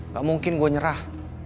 gak mungkin gue nyerah